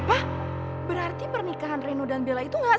apa berarti pernikahan reno dan bella itu enggak sah